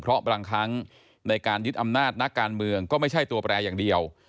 เพราะบางครั้งในการยึดอำนาจนักการเมืองก็ไม่ใช่ตัวแปรอย่างเดียว